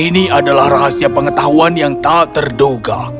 ini adalah rahasia pengetahuan yang tak terduga